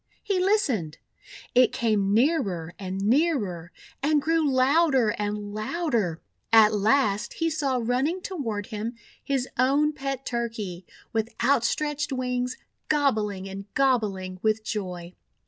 He listened. It came nearer and nearer, and grew louder and louder. At last he saw running toward him his own pet Turkey, with out stretched wings, gobbling and gobbling with joy.